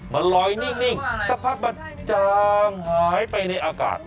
มาลอยนิ่งสักพักมันจางหายไปในอากาศ